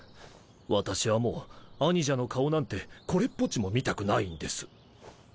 私はもう兄者の顔なんてこれっぽっちも見たくないんです。